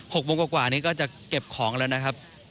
๖โมงกว่ากว่านี้ก็จะเก็บของแล้วนะครับ